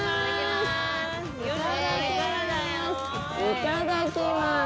いただきます！